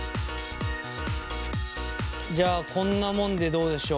じゃあこんなもんでどうでしょう。